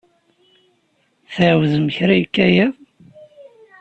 Tɛawzem kra yekka yiḍ?